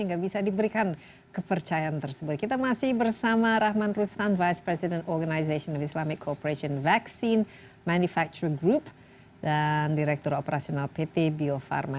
nah kita sudah berjumpa dengan presiden organization of islamic cooperation vaccine manufacturing group dan direktur operasional pt biofarma